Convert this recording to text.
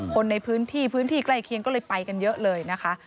คนในพื้นที่พื้นที่ใกล้เคียงก็เลยไปกันเยอะเลยนะคะ